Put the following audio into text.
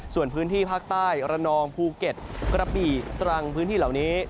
ส่วนพื้นที่ภาคใต้ระนองภูเก็ตกระบี่ตรังพื้นที่เหล่านี้